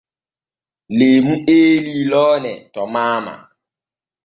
Leemu eelii loone to maama.